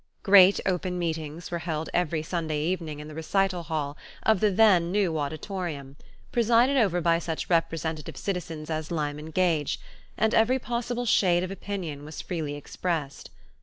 Great open meetings were held every Sunday evening in the recital hall of the then new auditorium, presided over by such representative citizens as Lyman Gage, and every possible shade of opinion was freely expressed.